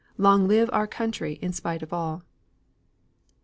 Long live our country in spite of all."